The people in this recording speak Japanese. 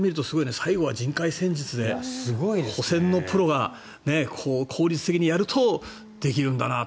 最後は人海戦術で保線のプロが効率的にやるとできるんだなって。